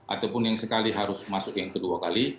ataupun yang sekali harus masuk yang kedua kali